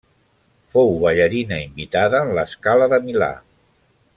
Fou ballarina invitada en La Scala de Milà.